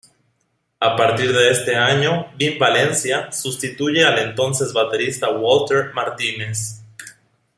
A partir de este año Bin Valencia sustituye al entonces baterista Walter Martínez.